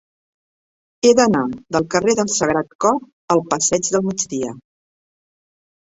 He d'anar del carrer del Sagrat Cor al passeig del Migdia.